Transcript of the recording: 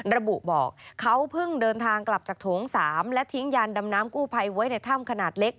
ระบุบอกเขาเพิ่งเดินทางกลับจากโถง๓และทิ้งยานดำน้ำกู้ภัยไว้ในถ้ำขนาดเล็ก